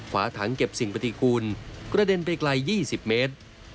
ฝาถังเก็บสิ่งปฏิคูณกระเด็นไปไกล๒๐เมตร